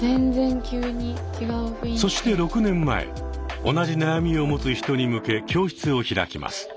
そして６年前同じ悩みを持つ人に向け教室を開きます。